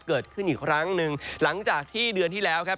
เกิดขึ้นอีกครั้งหนึ่งหลังจากที่เดือนที่แล้วครับ